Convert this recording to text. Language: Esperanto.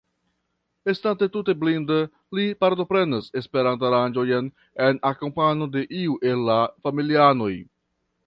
Estante tute blinda, li partoprenas Esperanto-aranĝojn en akompano de iu el la familianoj.